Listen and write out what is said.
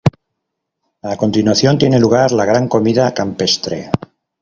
A continuación tiene lugar la gran comida campestre.